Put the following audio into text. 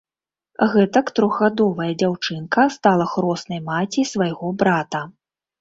Гэтак трохгадовая дзяўчынка стала хроснай маці свайго брата.